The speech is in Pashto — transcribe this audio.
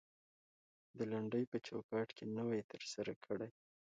د لنډۍ په چوکات کې نوى تر سره کړى.